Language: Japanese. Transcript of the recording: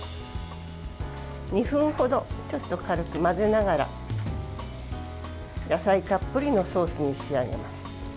２分ほどちょっと軽く混ぜながら野菜たっぷりのソースに仕上げます。